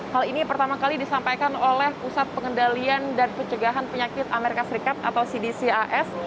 hal ini pertama kali disampaikan oleh pusat pengendalian dan pencegahan penyakit amerika serikat atau cdcas